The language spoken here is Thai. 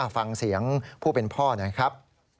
ฟังเสียงผู้เป็นพ่อหน่อยครับ